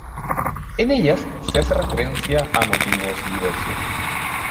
En ellas se hace referencia a motivos diversos.